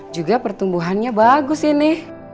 juga pertumbuhannya bagus ini